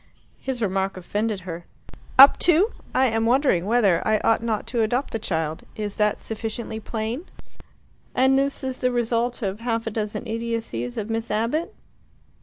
His remark offended her. "Up to? I am wondering whether I ought not to adopt the child. Is that sufficiently plain?" "And this is the result of half a dozen idiocies of Miss Abbott?"